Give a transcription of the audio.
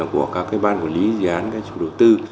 của các ban quản lý dự án các chủ đầu tư